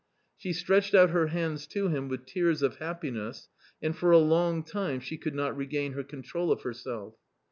She stretched out her hands to him with tears of happiness, and for a long time she could not regain her control of her self.